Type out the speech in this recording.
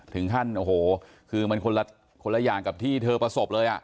ถึงขั้นโอ้โหคือมันคนละคนละอย่างกับที่เธอประสบเลยอ่ะ